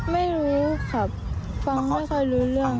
ไม่รู้ครับฟังไม่ค่อยรู้เรื่อง